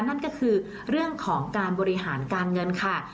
นั่นก็คือเรื่องของการบริหารการเงินค่ะ